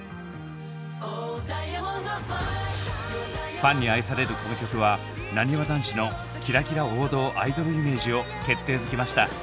ファンに愛されるこの曲はなにわ男子のキラキラ王道アイドルイメージを決定づけました。